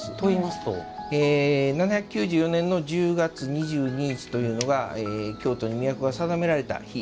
７９４年１０月２２日というのが京都に都が定められた日。